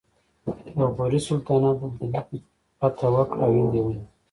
د غوري سلطنت د دهلي فتحه وکړه او هند یې ونیو